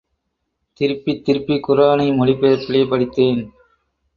திருப்பித் திருப்பிக் குர் ஆனை மொழி பெயர்ப்பிலே படித்தேன்.